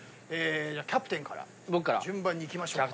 キャプテンから順番に行きましょうか。